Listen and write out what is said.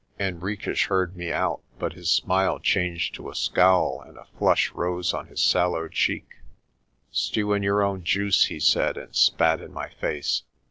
Henriques heard me out; but his smile changed to a scowl, and a flush rose on his sallow cheek. "Stew in your own juice," he said, and spat in my face.